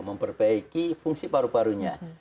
memperbaiki fungsi paru parunya